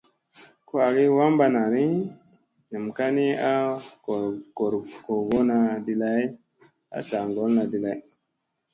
Ko agi wamɓa nani, nam ka ni a googona di lay a saa ŋgolla di lay.